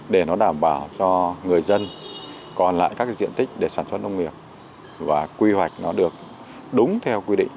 để nó đảm bảo cho người dân còn lại các diện tích để sản xuất nông nghiệp và quy hoạch nó được đúng theo quy định